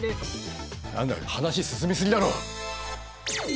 何だよ話進み過ぎだろ。